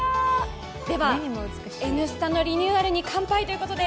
では、「Ｎスタ」のリニューアルに乾杯ということで